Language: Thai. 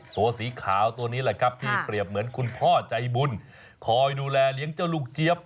ตัวสีขาวตัวนี้แหละครับที่เปรียบเหมือนคุณพ่อใจบุญคอยดูแลเลี้ยงเจ้าลูกเจี๊ยบ